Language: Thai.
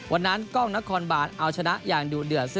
วันนั้นกล้องนครบานเอาชนะอย่างดูเดือด